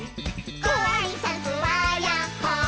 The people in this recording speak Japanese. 「ごあいさつはやっほー☆」